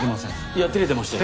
いやてれてましたよ。